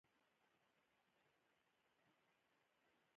د ښاروالۍ عواید له صفايي ټکس دي